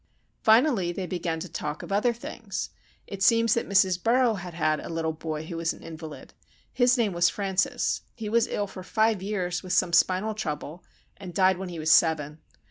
Finally they began to talk of other things. It seems that Mrs. Burroughs had had a little boy who was an invalid. His name was Francis. He was ill for five years with some spinal trouble, and died when he was seven.